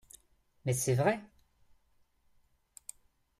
Mais c'est vrai!